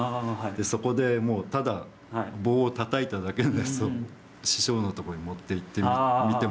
そこでもうただ棒をたたいただけのやつを師匠のところに持っていって見てもらって。